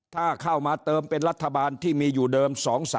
ถ้าเข้ามาเติมเป็นรัฐบาลที่มีอยู่เดิม๒๓